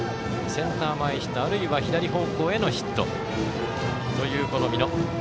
センター前ヒットあるいは左方向へのヒットという美濃。